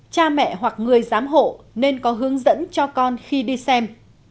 cha mẹ hoặc người giám hộ nên có hướng dẫn cho con khi đi xem